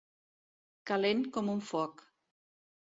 Calent com un foc.